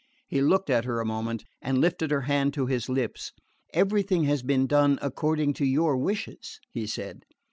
He looked at her a moment, and lifted her hand to his lips. "Everything has been done according to your wishes," he said.